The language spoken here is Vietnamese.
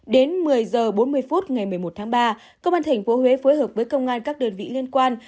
đến một mươi h bốn mươi phút ngày một mươi một tháng ba công an tp huế phối hợp với công an các đơn vị liên quan